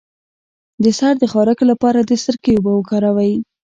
د سر د خارښ لپاره د سرکې اوبه وکاروئ